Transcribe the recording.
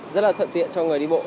rất là thận tiện cho người đi bộ